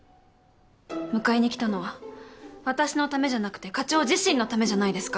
迎えに来たのは私のためじゃなくて課長自身のためじゃないですか？